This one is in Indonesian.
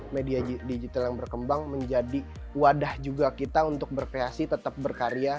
media digital yang berkembang menjadi wadah juga kita untuk berkreasi tetap berkarya